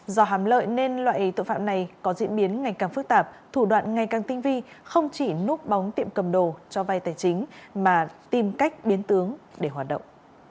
do hám lợi nên loại tội phạm này có diễn biến ngày càng phức tạp thủ đoạn ngày càng tinh vi không chỉ núp bóng tiệm cầm đồ cho vai tài chính mà tìm cách biến tướng để hoạt động